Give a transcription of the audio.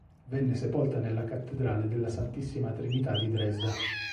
Venne sepolta nella Cattedrale della Santissima Trinità di Dresda.